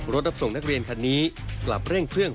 รับส่งนักเรียนคันนี้กลับเร่งเครื่อง